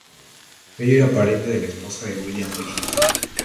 Ella era pariente de la esposa de William Griggs.